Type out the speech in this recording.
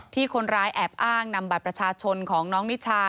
ที่คนร้ายแอบอ้างนำบัตรประชาชนของน้องนิชา